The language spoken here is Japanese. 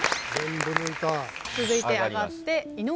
続いて上がって井上さん。